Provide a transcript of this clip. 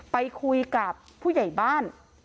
ไปคุยกับผู้ใหญ่บ้าน